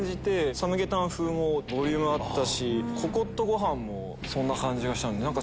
サムゲタン風もボリュームあったしココットご飯もそんな感じがしたので。